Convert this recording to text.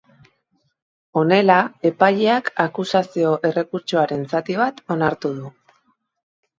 Honela, epaileak akusazio errekurtsoaren zati bat onartu du.